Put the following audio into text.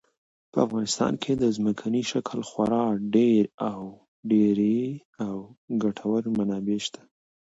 په افغانستان کې د ځمکني شکل خورا ډېرې او ګټورې منابع شته.